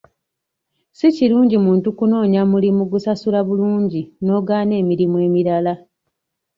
Si kirungi muntu kunoonya mulimu gusasula bulungi n'ogaana emirimu emirala.